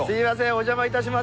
お邪魔いたします。